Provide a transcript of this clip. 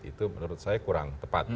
itu menurut saya kurang tepat